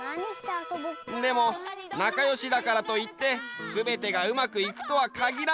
でもなかよしだからといってすべてがうまくいくとはかぎらない。